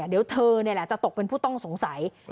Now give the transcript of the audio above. เดี๋ยวเธอเนี่ยแหละจะตกเป็นผู้ต้องสงสัย